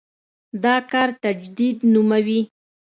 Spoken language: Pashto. دا کار تجدید نوموي.